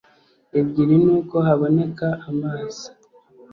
ebyiri nuko haboneka amazi